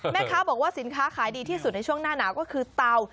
แม่ค้าบอกว่าสินค้าขายดีที่สุดในช่วงหน้าหนาวก็คือเตา